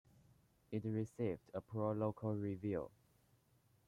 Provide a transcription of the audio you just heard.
It received a poor local review.